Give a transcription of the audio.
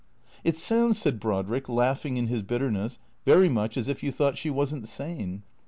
" It sounds," said Brodrick, laughing in his bitterness, " very much as if you thought she was n't sane.